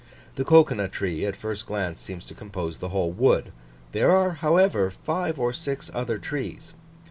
The cocoa nut tree, at first glance, seems to compose the whole wood; there are however, five or six other trees.